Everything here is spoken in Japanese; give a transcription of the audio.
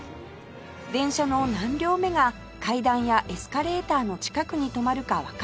電車の何両目が階段やエスカレーターの近くに止まるかわかるものです